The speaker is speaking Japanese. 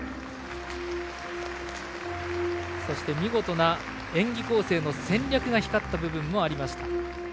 そして見事な演技構成の戦略が光った部分もありました